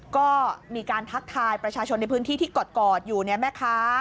ก็มีการทักทายประชาชนในพื้นที่ที่กอดอยู่เนี่ยแม่ค้า